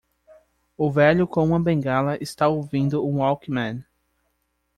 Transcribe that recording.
O velho com uma bengala está ouvindo um walkman.